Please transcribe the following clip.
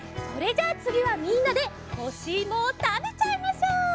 それじゃあつぎはみんなでほしいもをたべちゃいましょう！